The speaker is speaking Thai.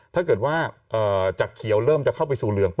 ถ้าเกิดว่าจากเขียวเริ่มจะเข้าไปสู่เรือง